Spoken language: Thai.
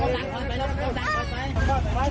อยู่เดี๋ยว